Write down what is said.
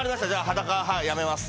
裸はいやめます。